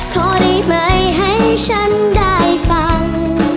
ก็ได้ไม่ให้ฉันได้ฟัง